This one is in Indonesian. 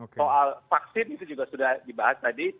soal vaksin itu juga sudah dibahas tadi